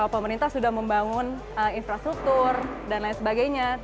pemerintah sudah membangun infrastruktur dan lain sebagainya